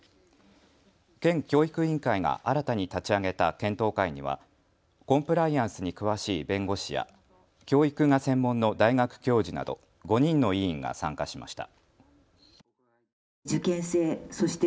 県教育委員会が新たに立ち上げた検討会にはコンプライアンスに詳しい弁護士や教育が専門の大学教授など５人の委員が参加しました。